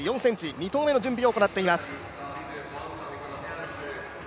２投目の準備を行っています。